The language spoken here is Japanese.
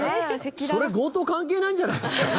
それ強盗関係ないんじゃないですか？